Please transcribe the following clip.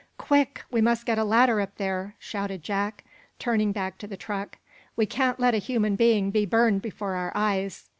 "Quick! We must get a ladder up there!" shouted Jack, turning back to the truck. "We can't let a human being be burned before our eyes."